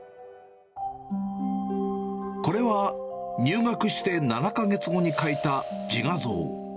これは、入学して７か月後に描いた自画像。